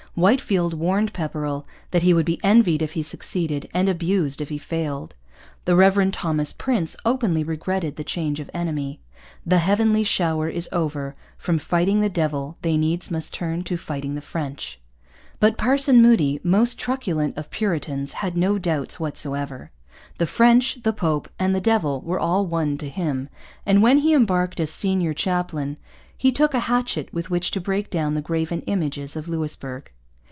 Whitefield warned Pepperrell that he would be envied if he succeeded and abused if he failed. The Reverend Thomas Prince openly regretted the change of enemy. 'The Heavenly shower is over. From fighting the Devil they needs must turn to fighting the French.' But Parson Moody, most truculent of Puritans, had no doubts whatever. The French, the pope, and the Devil were all one to him; and when he embarked as senior chaplain he took a hatchet with which to break down the graven images of Louisbourg.